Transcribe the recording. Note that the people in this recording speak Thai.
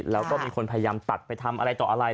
แล้วก็มีคนพยายามตัดไปทำอะไรต่ออะไร